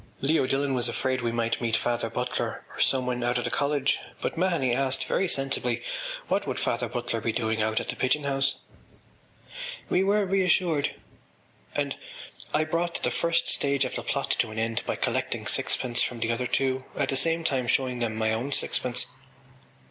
Leo Dillon was afraid we might meet Father Butler or someone out of the college; but Mahony asked, very sensibly, what would Father Butler be doing out at the Pigeon House. We were reassured: and I brought the first stage of the plot to an end by collecting sixpence from the other two, at the same time showing them my own sixpence.